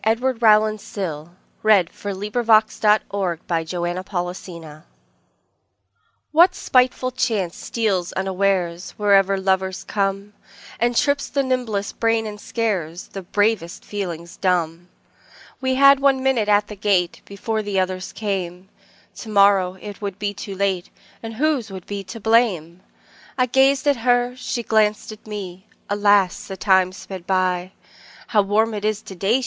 Edward Rowland Sill 1841–1887 Edward Rowland Sill 209 Momentous Words WHAT spiteful chance steals unawaresWherever lovers come, And trips the nimblest brain and scaresThe bravest feelings dumb? We had one minute at the gate, Before the others came; To morrow it would be too late, And whose would be the blame!I gazed at her, she glanced at me; Alas! the time sped by:"How warm it is to day!"